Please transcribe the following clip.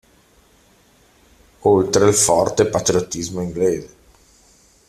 Oltre al forte patriottismo inglese.